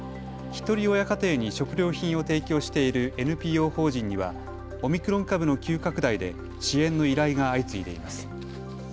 ひとり親家庭に食料品を提供しているＮＰＯ法人にはオミクロン株の急拡大で支援の依頼が相次いでいます。